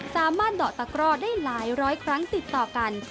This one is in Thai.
สามารถดอกตะกร่อได้หลายร้อยครั้งติดต่อกัน